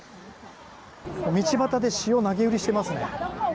道端で塩を投げ売りしてますね。